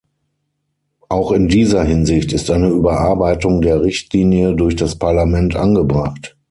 Auch in dieser Hinsicht ist eine Überarbeitung der Richtlinie durch das Parlament angebracht.